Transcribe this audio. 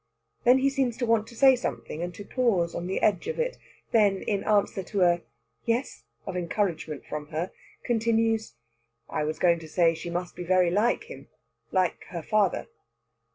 Then he seems to want to say something and to pause on the edge of it; then, in answer to a "yes" of encouragement from her, continues, "I was going to say that she must be very like him like her father."